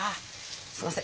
すみません。